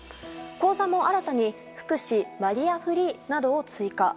講座も新たに福祉・バリアフリーなどを追加。